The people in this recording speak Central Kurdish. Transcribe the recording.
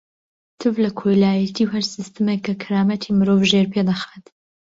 تف لە کۆیلایەتی و هەر سیستەمێک کە کەرامەتی مرۆڤ ژێرپێ دەخات.